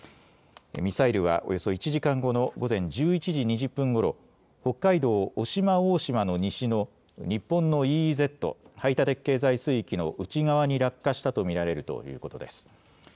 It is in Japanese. ミサイルはおよそ１時間後の午前１１時２０分ごろ、北海道渡島大島の西の日本のＥＥＺ・排他的経済水域の内側に落下したと見られるということです。